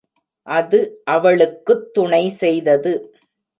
அது அவளுக்குத் துணை செய்தது.